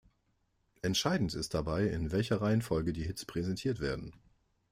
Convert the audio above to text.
Entscheidend ist dabei, in welcher Reihenfolge die Hits präsentiert werden.